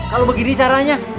kalau begini caranya